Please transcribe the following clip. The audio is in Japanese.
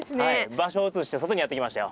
場所を移して外にやって来ましたよ。